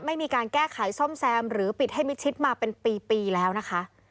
ไม่มีการแก้ไขซ่อมแซมหรือปิดให้มิดชิดมาเป็นปีแล้วนะคะ